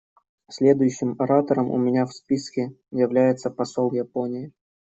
Следующим оратором у меня в списке является посол Японии.